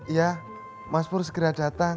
ya mas pur segera datang